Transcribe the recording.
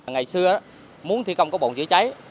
ngày xưa muốn thi công có bồn chữa chảy